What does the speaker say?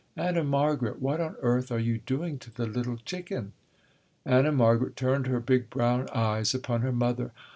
"Anna Margaret, what on earth are you doing to the little chicken?" Anna Margaret turned her big brown eyes upon her mother.